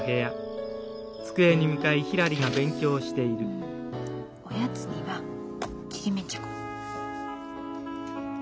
うんおやつにはちりめんじゃこ。